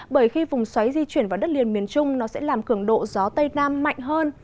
bởi khi vùng xoáy di chuyển vào đất liền miền trung nó sẽ làm cường độ gió tây nam mạnh hơn